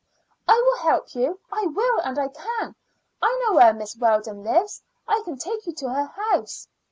"I will help you. I will, and I can. I know where Miss Weldon lives. I can take you to her house."